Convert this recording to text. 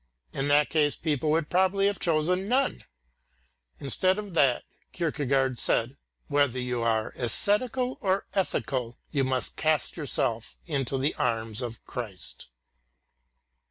In that case people would probably have chosen none. Instead of that Kierkegaard said: "Whether you are æsthetical or ethical you must cast yourself into the arms of Christ."